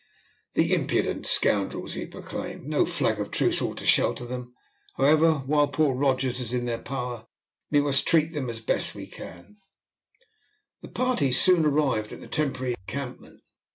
"The impudent scoundrels," he exclaimed; "no flag of truce ought to shelter them. However, while poor Rogers is in their power we must treat with them as we best can." The party soon arrived at the temporary encampment.